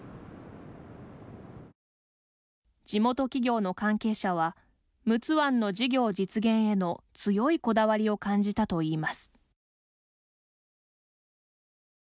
地元企業の関係者は陸奥湾の事業実現への強いこだわりを感じたといいます。